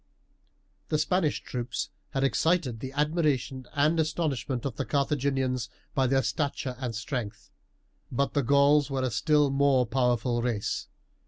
The Spanish troops had excited the admiration and astonishment of the Carthaginians by their stature and strength; but the Gauls were a still more powerful race.